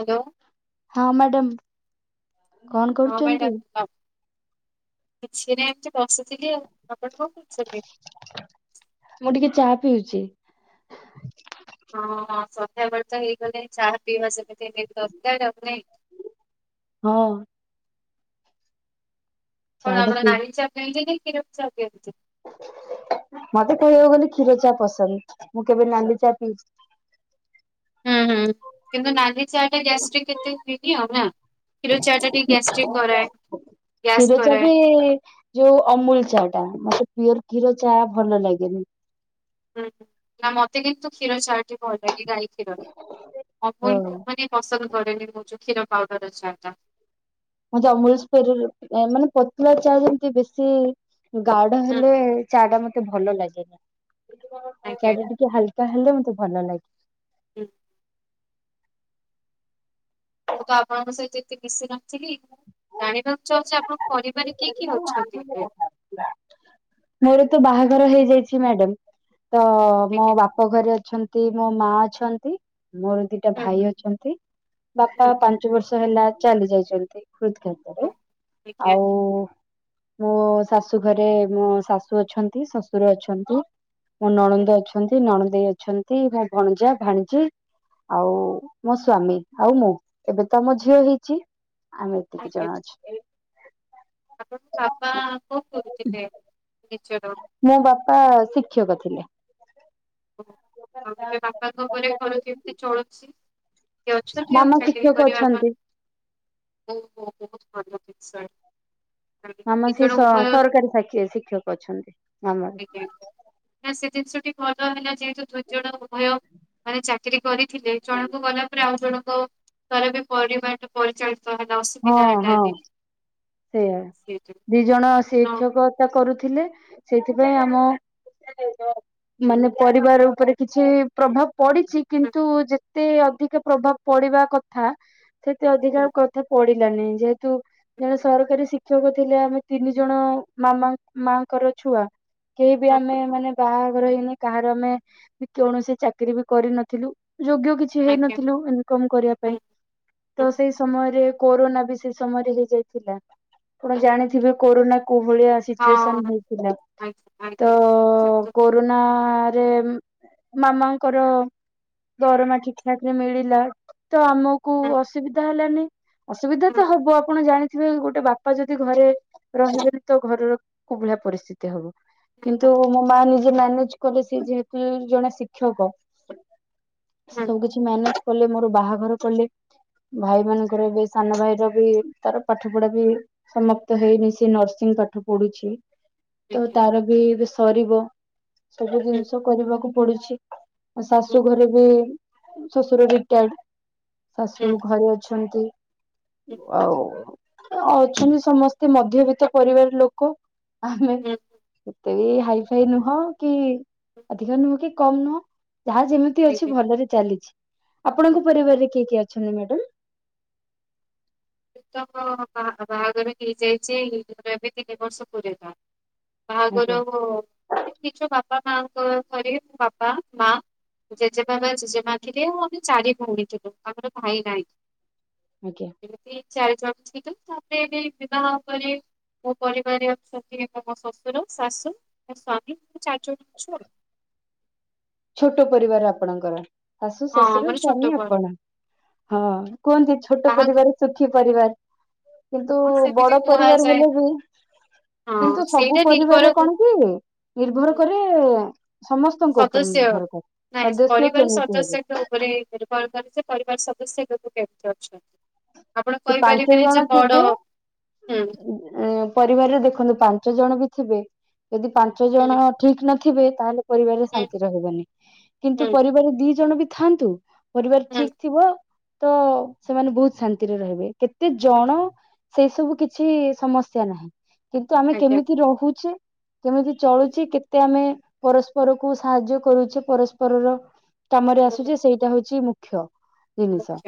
Hello. ହଁ madam. ହଁ madam. କିଛି ନାହିଁ ଏମିତି ବସିଥିଲି ଆଉ। ଆପଣ କଣ କରୁଛନ୍ତି? ମୁଁ ଟିକେ ଚାହା ପିଉଚି। ହଁ ସନ୍ଧ୍ୟା ବେଳେ ତ ହେଇଗଲେ ଚାହା ପିଇବା ସେମିତି ଏମତି ଦରକାର ଆଉ ନାଇଁ। ହଁ। ଚା କଣ ଟା ଆପଣ ପିଇ ନାଲି ଚାହା ପିଅନ୍ତି ନା କ୍ଷୀର ଚାହା ପିଅନ୍ତି? ମତେ କହିବାକୁ ଗଲେ କ୍ଷୀର ଚାହା ପସନ୍ଦ। ମୁଁ କେବେ ନାଲି ଚା ପିଇ ହୁଁ ହୁଁ। କିନ୍ତୁ ନାଲି ଚାହା ଟା ଗ୍ୟାସଟ୍ରିକ୍ ଏତେ ହୁଏନି ନା। କ୍ଷୀର ଚାହା ଟା ଟିିକେ ଗ୍ୟାସଟ୍ରିକ କରାଏ ଗ୍ୟାସ୍ କ୍ଷୀର କରାଏ। [unintelligible] ଯୋଉ ଅମୁଲ ଚାହା ଟା। ମତେ ପିଓର୍ କ୍ଷୀର ଚାହା ଭଲ ଲାଗେନି। ହୁଁ। ନା ମତେ କିନ୍ତୁ କ୍ଷୀର ଚାହା ଟି ଭଲ ଲାଗେ ଗାଈ କ୍ଷୀର ର। ହଁ ଅମୁଲୁ କୁ ମାନେ ପସନ୍ଦ କରେନି ମୁଁ ଯଉ କ୍ଷୀର ପାଉଡର ଚାହା ଟା। ମତେ ଅମୁଲୁ ସ୍ପେରୁଲ୍ ମାନେ ପତଳା ଚାହା ଯେମତି ବେଶୀ ଗାଢ଼ ହୁଁ ହେଲେ ଚାହା ଟା ମତେ ଭଲ ଲାଗେନି। ଆଜ୍ଞା ଚାହା ହୁଁ। ଟା ଟିକେ ହାଲ୍ ହାଲକା ହେଲେ ମତେ ଭଲ ଲାଗେ। ହ [unintelligible] ମୁଁ ତ ଆପଣଙ୍କ। [unintelligible] ତେ ମିଶି ନଥିଲି, ଜାଣିବାକୁ ଚାହୁଁଛି ଆପଣଙ୍କ ପରିବାରେ [unintelligible] ମୋର ତ ବାହାଘର ହେଇଯାଇଚି ମ୍ୟାଡାମ୍। ତ ମୋ ବା ଆଜ୍ଞା। ବାପ ଘରେ ଅଛନ୍ତି ମୋ ମା ଅଛନ୍ତି। ମୋର ଦିଟା ଭାଇ ଅଛନ୍ତି। ବାପା ପାଞ୍ଚ ବର୍ଷ ହେଲା ଚାଲି ଯାଇଛନ୍ତି ଆଜ୍ଞା ହୃଦଘାତରେ। ଆଉ ମୋ ଶାଶୁ ଘରେ ମୋ ଶାଶୁ ଅଛନ୍ତି ଶ୍ୱଶୁର ଅଛନ୍ତି। ମୋ ନଣନ୍ଦ ଅଛନ୍ତି, ନଣଦେଇ ଅଛନ୍ତି, ମୋ ଭଣଜା ଭାଣିଜି ଆଉ ମୋ ସ୍ଵାମୀ, ଆଉ ମୁଁ, ଏବେ ତ ମୋ ଝିଅ ହେଇ ଚି, ଆମେ ଏତିକି ଆଜ୍ଞା। ଜଣ ଅଛୁ। ଆପଣଙ୍କ ବାବା କଣ କରୁଥିଲେ, ନିଜର? ମୋ ବାପା ଶିକ୍ଷକ ଥିଲେ। ଓ, ଆଉ ଏବେ ବାପାଙ୍କ ପରେ ଘର କେମତି ଚଳୁଚି? ମାମା ଶିକ୍ଷକ ଅଛନ୍ତି। ଓହୋ, ବହୁତ ବଲ ପିକସର। ମାମା ସେଇ ସ ସରକାରୀ ଶିକ୍ଷକ ଅଛନ୍ତି, ଗ୍ରାମରେ। ଆଜ୍ଞା। ନା ସେ ଜିନିଷଟି ଭଲ ହେଲା, ଯେହେତୁ ଦୁଇ ଜଣ ଉଭୟ ମାନେ ଚାକିରି କରି ଥିଲେ, ଜଣକ ଗଲା ପରେ, ଆଉ ଜଣଙ୍କ ଧର ଏବେ ପରିବାରଟା ପରିଚାଳିତ ହେଲେ ହଁ ଅସୁବିଧା ହଁ ହେଲାନି। ସେଇଆ, ଦି ଜଣ ତ ଶିକ୍ଷକତା କରୁଥିଲେ, ସେଇଥିପାଇଁ ଆମ ମାନେ ପରିବାର ଉପରେ କିଛି ପ୍ରଭାବ ପଡିଚି କିନ୍ତୁ ଯେତେ ଅଧିକା ପ୍ରଭାବ ପଡିବା କଥା ସେତେ ଅଧିକା କଥା ପଡ଼ିଲାନି, ଯେହେତୁ ଜଣେ ସରକାରୀ ଶିକ୍ଷକ ଥିଲେ, ଆମେ ତିନି ଜଣ ମାମା ମାଙ୍କର ଛୁଆ କେହି ବି ଆମେ ମାନେ ବାହାଘର ହେଇନି କାହାର, ଆମେ କୌଣସି ଚାକିରି ବି କରିନଥିଲୁ, ଯୋଗ୍ୟ କିଛି କିଛି ଆଜ୍ଞା ହେଇନଥିଲୁ ଇନକମ କରିବା ପାଇଁ, ହୁଁ ହୁଁ ତ ସେଇ ସମୟରେ, କୋରୋନା ବି ସେଇ ସମୟରେ ହେଇଯାଇ ଥିଲା, ଆପଣ ଜାଣିଥିବେ କରୋନା କୋଉ ଭଳିଆ ଆସି ସିଚୁଏସନ୍ ହଁ ହେଇଥିଲା, ଆଜ୍ଞା ତ ଆଜ୍ଞା ସେ ତ ହୁଁ କରୋନା ରେ ମାମାଙ୍କର ଦରମା ଠିକ ଠାକ ରେ ମିଲିଲା। ତ ଆମକୁ ହୁଁ ଅସୁବିଧା ହେଲାନି, ଅସୁବିଧା ତ ହବ, ଆପଣ ଜାଣି ସେଥି ପାଇଁ ଗୋଟେ ବାପା ଯଦି ଘରେ ରହିବେନି ତ, ଘରର କୋଉ ଭଳିଆ ପରିସ୍ଥିତି ହବ। ହୁଁ ହୁଁ ଆଜ୍ଞା କିନ୍ତୁ ମୋ ମା ନିଜେ ମ୍ୟାନେଜ କଲେ, ସେ ଯେହେତୁ ଜଣେ ଶିକ୍ଷକ। ହୁଁ ସବୁ କିଛି ମ୍ୟାନେଜ କଲେ ମୋର ବାହାଘର କଲେ, ଭାଇଭଉଣୀଙ୍କର ବି, ସାନ ଭାଇର ବି, ତାର ପାଠ ପଢା ବି ସମାପ୍ତ ହେଇନି, ସେ ନର୍ସିଂ ପାଠ ପଢୁଚି, ତ ହୁଁ ତାର ବିଏ ଏବେ ସରିବ, ସବୁ ଜିନିଷ କରିବାକୁ ପଡୁଚି। ମୋ ଶାଶୁ ହୁଁ ଘରେ ବି, ଶଶୁର ରିଟାୟର୍ଡ। ଶାଶୁ ହୁଁ ଘରେ ଅଛନ୍ତି, ଆଉ ଅଛନ୍ତି ସମସ୍ତେ, ମଧ୍ୟବିତ୍ତ ପରିବାର ଲୋକ। ଆମେ, ହୁଁ ଏତେ ବି ହାଇ ଫାଇ ନୁହଁ କି ଅଧିକ ନୁହଁ କି? କମ୍ ନୁହଁ, ଯାହା ଯେମିତି ଅଛି ଆଜ୍ଞା ଭଲରେ ଚାଲିଚି। ଆପଣଙ୍କ ପରିବାରରେ କିଏ କିଏ ଅଛନ୍ତି ମ୍ୟାଡାମ। ତ ବା ବାହାଘର ହେଇଯାଇଚି, ଏବେ ଏବେ ତିନି ବର୍ଷ ପୁରିଲା। ଆଜ୍ଞା ବାହାଘର, ନିଜ ବାପା ମାଙ୍କ ଘରେ ବାପା ମା ଜେଜେବାବା, ଜେଜେମା ଥିଲେ ଆଉ ଆମେ ଚାରି ଭଉଣୀ ଥିଲୁ, ଆମର ଭାଇ ନାହିଁ। ଆଜ୍ଞା। ସେ ଚାରିଜଣ ଥିଲେ, ତାପରେ ଏବେ ବିବାହ ପରେ ମୋ ପରିବାରରେ ଅଛନ୍ତି, ମୋ ଶ୍ୱଶୁର, ଶାଶୁ, ମୋ ସ୍ୱାମୀ, ଚାରି ଜଣ ଅଛୁ ଆଉ। ଛୋଟ ପରିବାର ଆପଣଙ୍କର? ଶାଶୁ ହଁ ଶଶୁର, ଆମର ଛୋଟ ସ୍ଵାମୀ, ଆପଣ, ପରିବାର ହଁ କୁହନ୍ତି ଛୋଟ ବାହାଘର ପରିବାର ସୁଖୀ ପରିବାର। କିନ୍ତୁ ହଁ ସେମିତି ବଡ ପରିବାର କୁହାଯାଏ ହେଲେ ବି ହଁ କିନ୍ତୁ ସବୁ ସେଇଟା ପରିବାରରେ ନିର୍ଭର କରେ କଣ କି ନିର୍ଭର କରେ ସମସ୍ତଙ୍କ ଉପରେ ସଦସ୍ୟ ନିର୍ଭର କରେ ନାଇଁ ସଦସ୍ୟ ପରିବାର କେମିତି ହେବେ ସଦସ୍ୟଙ୍କ କରେ ପରିବାର [unintelligible] ପରିବାର ସଦସ୍ୟ କେମିତି ଅଛ ସେ ପାଞ୍ଚ ଜଣ ଥିବେ ହୁଁ ଉଁ ପରିବାରରେ ଦେଖନ୍ତୁ ପାଞ୍ଚ ଜଣ ବି ଥିବେ ଯଦି ପାଞ୍ଚ ଜଣ ହୁଁ ଠିକ୍ ନଥିବେ ତାହେଲେ ପରିବାରରେ ହୁଁ ଶାନ୍ତି ରହିବନି କିନ୍ତୁ ହୁଁ ପରିବାର ଦି ଜଣ ବି ଥାଆନ୍ତୁ ପରିବାର ହୁଁ ଠିକ ଥିବ ତ ସେମାନେ ବହୁତ ଶାନ୍ତିରେ ରହିବେ କେତେ ଜଣ ସେଇସବୁ କିଛି ସମସ୍ୟା ନାହିଁ କିନ୍ତୁ ଆମେ କେମିତି ରହୁଛେ କେମିତି ଚଳୁଛି କେତେ ଆମେ ପରସ୍ପରକୁ ସାହାଯ୍ୟ କରୁଛେ ପରସ୍ପରର କାମରେ ଆସୁଛି ଆଜ୍ଞା। ସେଇଟା ହଉଛି ମୁଖ୍ୟ ଜିନିଷ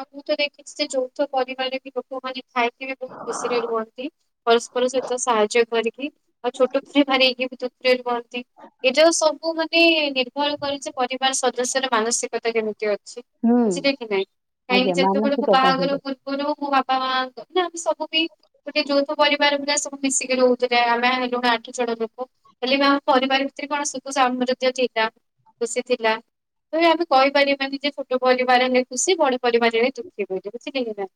ହଁ ମୁଁ ତ ଦେଖିଛି ଯେ ଯୌଥ ପରିବାରରେ ବି ଲୋକମାନେ ଥାଇକି ବି ବହୁତ ଖୁସିରେ ରୁହନ୍ତି ପରସ୍ପର ସହିତ ସାହାଯ୍ୟ କରିକି ଆଉ ଛୋଟ ସ୍ତ୍ରୀ [unintelligible] ଏଇ ଯୋଉ ସବୁ ମାନେ ନିର୍ଭର କରୁଛି ପରିବାର ସଦସ୍ୟର ମାନସିକତା କେମିତି ଅଛି ହୁଁ ବୁଝିଲେ କି ନାଇଁ କାହିଁକି ଆଜ୍ଞା ଯେତେବେଳେ ମୁଁ ମାନସିକତା ହିଁ ବାହାଘର ଗରୁ ମୋ ବାପା ମା ନା ଆମେ ସବୁ ବି ଗୋଟେ ଯୌଥ ପରିବାର ପୁରା ସବୁ ମିଶିକି ରହୁଥିଲେ ଆମେ ହେଲୁଣି ଆଠ ଜଣ ଲୋକ ହେଲେ ବି ଆମ ପରିବାର ଭିତରେ କଣ ସୁଖ [unintelligible] ଥିଲା ଖୁସି ଥିଲା ତ ଆମେ କହିପାରିବାନି ଯେ ଛୋଟ ପରିବାରରେ ଖୁସି ବଡ ପରିବାରରେ ଦୁଃଖୀ [unintelligible] ନା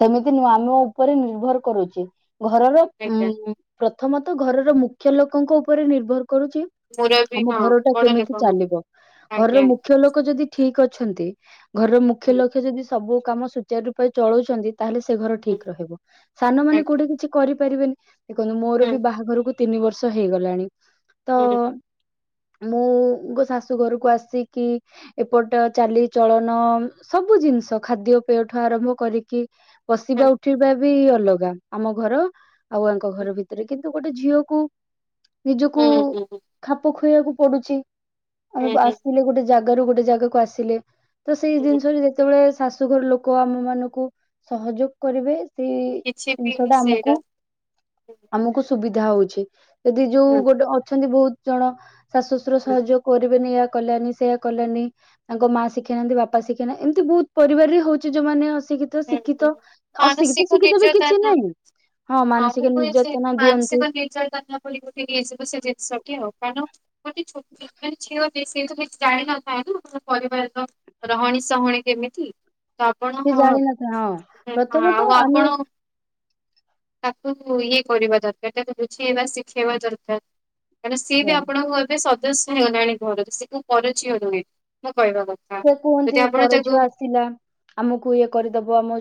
ସେମିତି ନୁହଁ ଆମ ଉପରେ ନିର୍ଭର କରୁଛି ଘରର ଆଜ୍ଞା ଉଁ ପ୍ରଥମତଃ ଘରର ମୁଖ୍ୟ ଲୋକଙ୍କ ଉପରେ ନିର୍ଭର କରୁଛି ମୋର ବି ଆମ ହଁ ଘରଟା ବଡ କେମିତି ଲୋକ ହଁ ଚାଲିବ ଆଜ୍ଞା ଘରର ଆଜ୍ଞା ମୁଖ୍ୟ ଲୋକ ଯଦି ଠିକ୍ ଅଛନ୍ତି ଘରର ମୁଖ୍ୟ ହୁଁ ଲକ୍ଷ୍ୟ ଯଦି ସବୁ କାମ ସୁଚାର ରୂପେ ଚଳଉଛନ୍ତି ତାହେଲେ ସେ ଘର ହୁଁ ଠିକ ରହିବ ସାନ ମାନେ ଆଜ୍ଞା କୋଉଠି କିଛି କରିପାରିବେନି ଦେଖନ୍ତୁ ମୋର ହୁଁ। ବି ବାହାଘରକୁ ତିନି ବର୍ଷ ହେଇଗଲାଣି ତ ହୁଁ ମୁଁ ଗୋ ଶାଶୁ ଘରକୁ ଆସିକି ଏପଟ ଚାଲିଚଳନ ସବୁ ଜିନିଷ ଖାଦ୍ୟ ପେଠୁ ଆରମ୍ଭ କରିକି ହୁଁ ହୁଁ ବସିବା ଉଠିବା ବି ଅଲଗା ଆମ ଘର ଆଉ ଆଙ୍କ ହୁଁ ଘର ଭିତରେ କିନ୍ତୁ ଗୋଟେ ଝିଅକୁ ନିଜକୁ ହୁଁ ହୁଁ ଖାପ ଖୁଆଇବାକୁ ପଡୁଛି ଆମେ ହୁଁ ବେ ହୁଁ ଆସିଲେ ଗୋଟେ ଜାଗାରୁ ଗୋଟେ ଜାଗାକୁ ଆସିଲେ ତ ସେଇ ହୁଁ ଜିନିଷରେ ଯେତେବେଳେ ଶାଶୁଘର ଲୋକ ଆମ ମାନଙ୍କୁ ସହଯୋଗ କରିବେ ସେ କିଛି ବି ଜିନିଷଟା ସେଇଟା ଆମକୁ ହୁଁ ଆମକୁ ସୁବିଧା ହଉଛି ଯଦି ଯୋଉ ହୁଁ ଗୋଟେ ଅଛନ୍ତି ବହୁତ ଜଣ ଶାଶୁଶ୍ୱଶୁର ହୁଁ ସହଯୋଗ କରିବେନି ୟା କଲାନି ସେୟା କଲାନି ତାଙ୍କ ମା ଶିଖେଇନାହାନ୍ତି ବାପା ଶିଖେଇ ନା ଏମିତି ବହୁତ ପରିବାର ରେ ହଉଛି ଯୋଉମାନେ ଅଶିକ୍ଷିତ ହୁଁ। ହୁଁ। ଶିକ୍ଷିତ ଅଶିକ୍ଷିତ ମାନସିକ ଶିକ୍ଷିତ ବି କିଛି ନିର୍ଯାତନା ନାହିଁ ହଁ ମାନସିକ ନିର୍ଯାତନା ଦିଅନ୍ତି [unintelligible] ଜିନିଷ କାରଣ ଗୋଟେ [unintelligible] ଝିଅ ସେ ସେ କିଛି ଜାଣି ନଥାଏ ନା ପରିବାରର ରହଣୀ ସହଣୀ କେମିତି ତ ଆପଣ ସେ ହଁ ଜାଣିନଥା ହଁ ପ୍ରଥମତଃ ଆଉ ଆପଣ ଆମେ ତାକୁ ଇଏ କରିବା ଦରକାର ତାକୁ ବୁଝେଇବା ଶିଖେଇବା ଦରକାର କାରଣ ସିଏବି ଆପଣଙ୍କ ଘରେ ସଦସ୍ୟ ହେଲାଣି ଘରର ସିଏ କୋଉ ପର ଝିଅ ନୁହେଁ ମୁଁ କହିବା କଥା ସେ କୁହନ୍ତି ଯଦି ଆପଣ ତାକୁ ପରଝିଅ ହୁଁ ଆସିଲା ଆମକୁ ଇଏ କରିଦବ ଆମ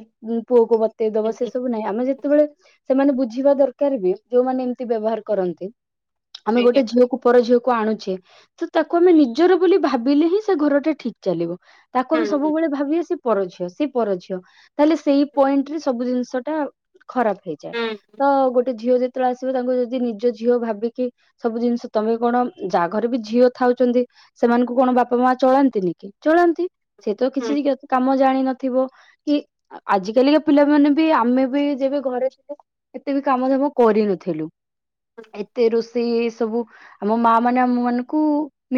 ପୁଅକୁ ବ ତେଇ ଦବ ସେ ହୁଁ ସବୁ ନାଇଁ ଆମେ ଯେତେବେଳେ ସେମାନେ ବୁଝିବା ଦରକାର ବି ଯୋଉମାନେ ଏମିତି ବ୍ୟବହାର କରନ୍ତି ଆମେ ଗୋଟେ ଝିଅକୁ ପର ଝିଅକୁ ଆଣୁଛେ ତ ତାକୁ ଆମେ ନିଜର ବୋଲି ଭାବିଲେ ହିଁ ସେ ଘରଟା ଠିକ୍ ଚାଲିବ ତାକୁ ଆଜ୍ଞା ଆମେ ହୁଁ ସବୁବେଳେ ଭାବିବେ ସିଏ ପରଝିଅ ସିଏ ପରଝିଅ ତାହେଲେ ସେଇ ପଏଣ୍ଟ ରେ ସବୁ ଜିନିଷ ଟା ଆଉ। ଖରାପ ହେଇଯାଏ ହୁଁ ହୁଁ ତ ଗୋଟେ ଝିଅ ଯେତେବେଳେ ଆସିବ ତାଙ୍କୁ ଯଦି ନିଜ ଝିଅ ଭାବିକି ସବୁ ଜିନିଷ ତମେ କଣ ଜା ଘରେ ବି ଝିଅ ଥାଉଛନ୍ତି ସେମାନଙ୍କୁ କଣ ବାପା ମା ଚଳାନ୍ତିନି କି। ଚଳାନ୍ତି ସେ ତ ହୁଁ ହୁଁ କିଛି କାମ ଜାଣିିନଥିବ କି ଆଜିକାିକା ପିଲାମାନୋନେ ବି ଆମେ ବି ଯେବେ ଘରେ ଥିଲୁ ଏତେ ବି କାମଧାମ କରିନଥିଲୁ ଏତେ ରୋଷେଇ ସବୁ ଆମ ମା ମାନେ ଆମ ମାନଙ୍କୁ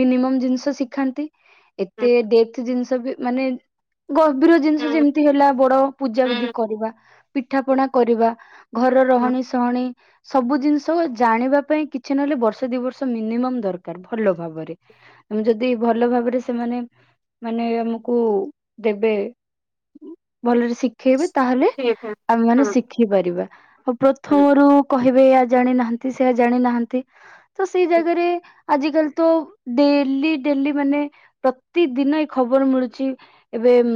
ମିନିମମ୍ ଜିନିଷ ଶିଖାନ୍ତି। ହୁଁ ତ ଡେଥ୍ ଜିନିଷ ବି ମାନେ ଗର୍ଭୀର ଜିନିଷ ହୁଁ ଯେମିତି ହେଲା ବଡ ପୂଜା ବିିଧି ହୁଁ କରିବା। ପିଠା ହୁଁ ପଣା କରିବା ଘର ହୁଁ ରହଣିୀ ସହଣୀ। ସବୁ ଜିନିଷ ଜାଣିବା ପାଇଁ କିଛି ନହେଲେ ବର୍ଷ ଦିଇ ବର୍ଷ ମିନିମମ୍ ଦରକାର ଭଲ ଭାବରେ। ଆମ ଯଦି ଭଲ ଭାବରେ ସେମାନେ ମାନେ ଆମକୁ ଦେବେ ଭଲରେ ସି ଶିଖେଇବେ ତାହେଲେ ଠିକ୍ ଆମେ ମାନେ ହଁ ଶ ହଁ ସିଖିପାରିବା ଆଉ ହୁଁ ପ୍ରଥମରୁ କହିବେ ଏୟ ଜାଣିନାହାନ୍ତି ସେୟା ଜାଣିନାହାନ୍ତି। ତ ସେଇ ହୁଁ ଜାଗାରେ ଆଜିକାଲି ତ ଡେଲି ଡେଲି ମାନେ ପ୍ରତି ଦିନ ଏ ଖବର ମିଳୁଚି ଏବେ ଉ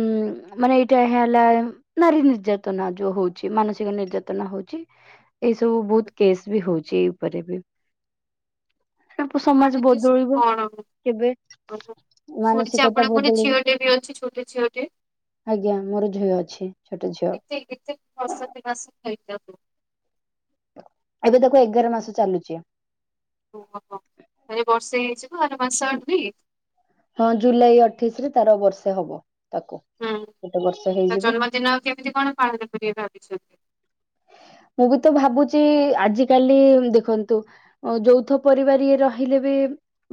ମାନେ ଏଇଟା ଏଇଆହେଲା। ନାରୀ ନିର୍ଯାତନା ଯୋଉ ହୋଉଚି ମାନସିକ ନିର୍ଯାତନା ହୋଉଚି। ଏଇସବୁ ବୋହୁତ କେସ୍ ବି ହୋଉଚି ଏଇ ଉପରେ ବି। ସମାଜ [unintelligible] ବଦଳିବ କଣ କେବେ ଶୁଣି ମାନସିକତା ଆପଣଙ୍କ ଗୋଟେ ବଦଳିବ। ଝିଅଟେ ବି ଅଛି ଛୋଟ ଝିଅଟେ? ଆଜ୍ଞା ମୋର ଝିଅ ଅଛି ଛୋଟ ଝିଅ କେ କେତେ ବସତି ମାସ ହେଇଥାନ୍ତୁ। ଏବେ ତାକୁ ଏଗାର ମାସ ଚାଲୁଛି। ଓହୋ ହୋ ତାରେ ବର୍ଷେ ହେଇଯିବ ଆର ମାସ ଆଢ଼କୁ ବି। ହଁ ଜୁଲାଇ ଅଠେଇଶ ରେ ତାର ବର୍ଷେ ହବ ତାକୁ। ହୁଁ ଗୋଟେ ବର୍ଷ ହେଇଯିବ ଜନ୍ମଦିନ ଆଉ କେମିତି କଣ ପାଳନ କରିବା ଭାବିଛନ୍ତି ମୁଁ ବି ତ ଭାବୁଛି ଆଜିକାଲି ଦେଖନ୍ତୁ। ଯୌଥ ପରିବାର ଇଏ ରହିଲେ ବି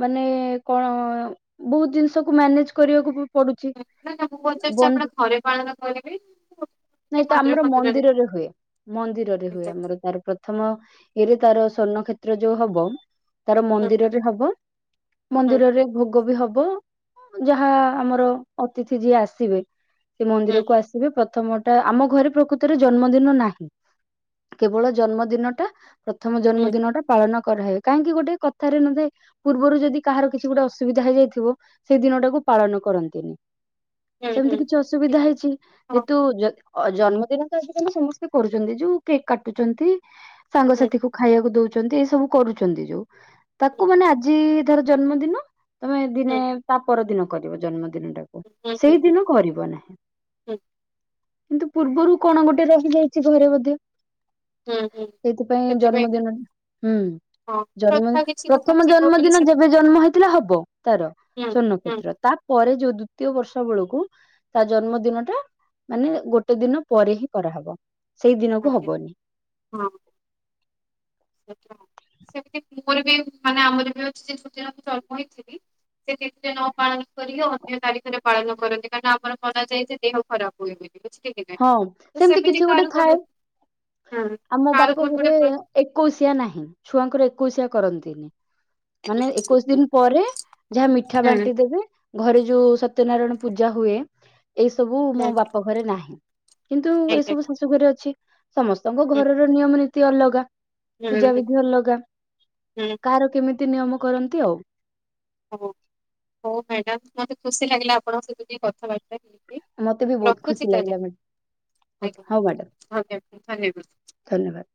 ମାନେ କଣ ବୋହୁତ ଜିନିଷକୁ ମ୍ୟାନେଜ କରିବାକୁ ପଡୁଛି ମୁଁ ପଚାରିଛି ଆପଣ ବନ୍ଦ ଘରେ ପାଳନ କରିବେ। ନାଇଁ କି ତ ମନ୍ଦିର ଆମର ଫନ୍ଦିରରେ ମନ୍ଦିରରେ ହୁଏ। ମନ୍ଦିରରେ ହୁଁ ହୁଏ ଆମର ତାର ପ୍ରଥମ ଇରେ ତାର ସ୍ଵର୍ଣ୍ଣ କ୍ଷେତ୍ରରେ ଯୋଉ ହବ ତାର ମନ୍ଦିରରେ ହବ ହୁଁ ମନ୍ଦିରରେ ଭୋଗ ବି ହବ। ଯାହା ଆମର ଅତିଥି ଯିଏ ଆସିବେ ସେ ହୁଁ ହୁଁ ମନ୍ଦିରକୁ ଆସିବେ ପ୍ରଥମ ଟା ଆମ ଘରେ ପ୍ରକୃତରେ ଜନ୍ମଦିନ ନାହିଁ। କେବଳ ଜନ୍ମଦିନ ଟା ପ୍ରଥମ ହୁଁ ଜନ୍ମଦିନ ଟା ପାଳନ କରାହଏ କାହିଁକି ଗୋଟେ କଥାରେ ନଥା ଏ ପୂର୍ବରୁ ଯଦି କାହାର କିଛି ଗୋଟେ ଅସୁବିଧା ହେଇଯାଇଥିବ ସେଇ ଦିନ ଟାକୁ ପାଳନ କରନ୍ତିନି। ହୁଁ ସେମିତି ହୁଁ କିଛି ଅସୁବିଧା ଠିକ ହେଇଛି ଯେହେତୁ ଜନ୍ମଦିନ ତ ଆଯି କାଲି ସମସ୍ତେ ସେ କରୁଚନ୍ତି ଯୋଉ କେକ୍ କାଟୁଚନ୍ତି ଅଛି। ସାଙ୍ଗସାଥି କୁ ଖାଇବାକୁ ଦୋଚନ୍ତୀ ଏଇ ସବୁ କରୁଚନ୍ତି ଯୋଉ ହଁ ତାକୁ ମାନେ ଆଜି ଧର ଜନ୍ମଦିନ ତମେ ଦିନେ ହୁଁ ତା ପରଦିନ କରିବ ଜନ୍ମ ଦିନ ଟାକୁ ହୁଁ ହୁଁ ହୁଁ ହୁଁ ହୁଁ ସେଇ ଦିନ କରିବ ନାହିଁ। ହୁଁ କିନ୍ତୁ ପୂର୍ବରୁ କଣ ଗୋଟେ ରହି ଯାଇଛି ଘରେ ବୋଧେ। ହୁଁ ହୁଁ। ସେଇଥିପାଇଁ ସେଥିପାଇଁ ଜନ୍ମଦିନଟା ହୁଁ। ହଁ ଜନ୍ମ ପ୍ରଥା କିଛି କଣ ପ୍ରଥମ ଥିବ ବୋଲି ଜନ୍ମଦିନ ସେ ଯେବେ ଜନ୍ମ ହେଇଥିଲା ହବ ତାର। ହୁଁ ହୁଁ ହୁଁ, ଶ୍ୱର୍ଣ୍ଣକ୍ଷେତ୍ର ତାପରେ ଯୋଉ ଦ୍ଵିତୀୟ ବର୍ଷ ବେଳକୁ ତା ଜନ୍ମଦିନ ଟା ମାନେ ଗୋଟେ ଦିନ ପରେ ହିଁ କରାହବ ସେଇ ଦିନକୁ ଆଜ୍ଞା ହବନି। ହଁ। ସେମିତି ମୋର ବି ମାନେ ଆମର ବି ଅଛି [unintelligible] ମୁ ଜନ୍ମ ହେଇଥିଲି ସେ ତିଥିରେ ନ ପାଳନ କରିକି ଅନ୍ୟ ତାରିଖରେ ପାଳନ କରନ୍ତି କାରଣ ଆମର ମନାଯାଏ ଯେ ଦେହ ଖରାପ ହୁଏ ବୋଲି। ହଁ ସେମିତି କିଛି ଗୋଟେ ଥାଏ [unintelligible] ଏକୋଉଶିଆ ନାହିଁ ଛୁଆଙ୍କର ଏକୋଉଶିଆ କରନ୍ତିନି। ମାନେ ହୁଁ ଏକୋଇଶି ଦିନ ପରେ ଯାହା ମିଠା ବାଣ୍ଟି ହୁଁ ଦେବେ। ଘରେ ଯୋଉ ସତ୍ୟନାରାୟଣ ପୂଜା ହୁଏ ଏଇ ସବୁ ମୋ ବାପ ଘରେ ନାହିଁ। କିନ୍ତୁ ଏଇ ଆଜ୍ଞା ସବୁ ଶାଶୁଘରେ ଅଛି ସମସ୍ତଙ୍କ ହୁଁ ଘରର ନିୟମ ନୀତି ଅଲଗା। ପୂଜା ହୁଁ ବିିଧି ଅଲଗା ହୁଁ କାହାର କେମିତି ନିୟମ କରନ୍ତି ଆଉ। ହଉ ହଉ ମ୍ୟାଡ଼ାମ ମତେ ଖୁସି ଲାଗିଲା ଆପଣଙ୍କ ସହିତ ଟିକେ କଥାବାର୍ତ୍ତା ମତେ ବି ବହୁତ ରଖୁଛି ଖୁସି ତାହେଲେ ଲାଗିଲା ମ୍ୟାଡ ଆଜ୍ଞା, ହଉ ମ୍ୟାଡାମ ଆଜ୍ଞା ଧନ୍ୟବାଦ। ଧନ୍ୟବାଦ।